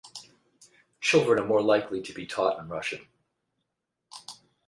Children are more likely to be taught in Russian.